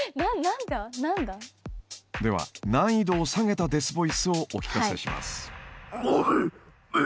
では難易度を下げたデスボイスをお聞かせします。